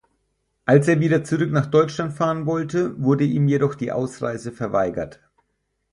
Als er wieder zurück nach Deutschland fahren wollte, wurde ihm jedoch die Ausreise verweigert.